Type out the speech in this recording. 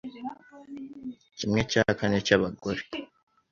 kimwe cya kane cy'abagore